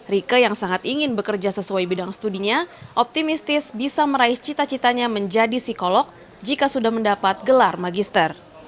rike yang sangat ingin bekerja sesuai bidang studinya optimistis bisa meraih cita citanya menjadi psikolog jika sudah mendapat gelar magister